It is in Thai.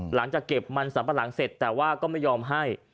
หลังจากเก็บมันสัมปะหลังเสร็จแต่ว่าก็ไม่ยอมให้